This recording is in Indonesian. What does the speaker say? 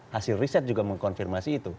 hasil riset juga mengkonfirmasi itu